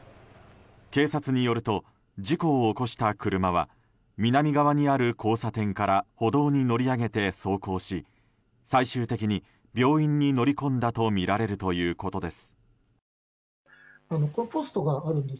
警察によると事故を起こした車は南側にある交差点から歩道に乗り上げて走行し最終的に、病院に乗り込んだとみられるということです。